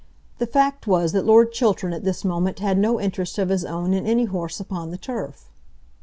The fact was that Lord Chiltern at this moment had no interest of his own in any horse upon the turf.